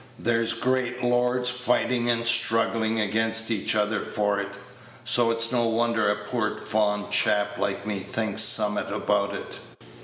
There's great lords fighting and struggling against each other for it; so it's no wonder a poor fond chap like me thinks summat about it."